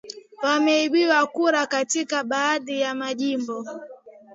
wameibiwa kura katika baadhi ya majimbo